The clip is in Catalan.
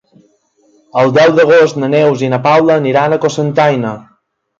El deu d'agost na Neus i na Paula aniran a Cocentaina.